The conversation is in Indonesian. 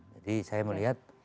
jadi saya melihat